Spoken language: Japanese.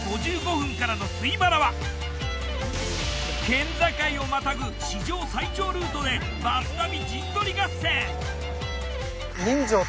県境をまたぐ史上最長ルートでバス旅陣取り合戦。